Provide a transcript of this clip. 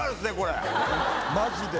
マジで。